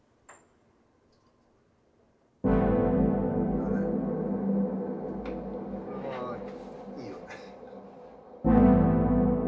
これはいいよね。